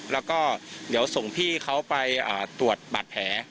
แล้วก็เดี๋ยวส่งพี่เขาไปตรวจบาดแผล